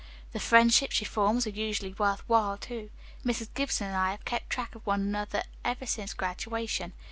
The friendships she forms are usually worth while, too. Mrs. Gibson and I have kept track of one another even since graduation.